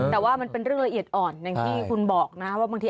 แต่ว่ามันเป็นเรื่องละเอียดอ่อนอย่างที่คุณบอกนะว่าบางที